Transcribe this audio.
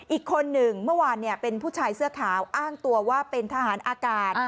อีกคนหนึ่งเมื่อวานเป็นผู้ชายเสื้อขาวอ้างตัวว่าเป็นทหารอากาศ